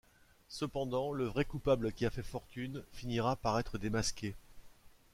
Cependant, le vrai coupable qui a fait fortune finira par être démasqué.